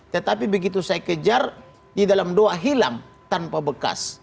tetapi begitu saya kejar di dalam doa hilang tanpa bekas